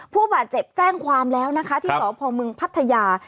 ผู้บาดเจ็บแจ้งความแล้วนะคะครับที่สอบพลเมืองพัทยา